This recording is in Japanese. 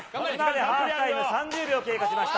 ハーフタイム３０秒経過しました。